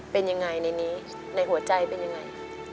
เป็นยังไงในนี้ในหัวใจเป็นยังไง